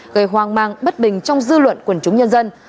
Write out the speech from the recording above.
gây hoang mang bất bình trong dư luận quần chúng nhân dân